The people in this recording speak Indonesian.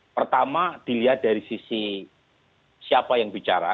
pertama dilihat dari sisi siapa yang bicara